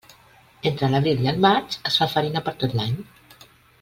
Entre l'abril i el maig es fa farina per tot l'any.